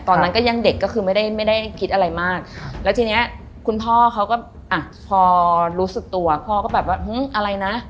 ตอนนั้นก็ยังเด็กก็คือไม่ได้ไม่ได้คิดอะไรมากแล้วทีเนี้ยคุณพ่อเขาก็อ่ะพอรู้สึกตัวพ่อก็แบบว่าอะไรนะ